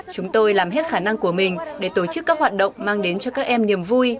chúng tôi làm hết khả năng của mình để tổ chức các hoạt động mang đến cho các em niềm vui